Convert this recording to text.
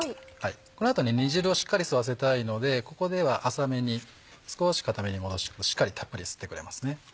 この後煮汁をしっかり吸わせたいのでここでは浅めに少し硬めにもどししっかりたっぷり吸ってくれますね。